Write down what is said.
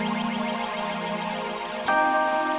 apa emang udah berhenti jualan celok